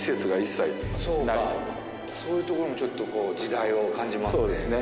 そういうところもちょっとこう時代を感じますね。